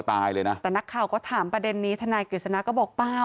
ตายเลยนะแต่นักข่าวก็ถามประเด็นนี้ทนายกฤษณะก็บอกเปล่า